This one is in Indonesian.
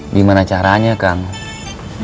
gimana caranya kang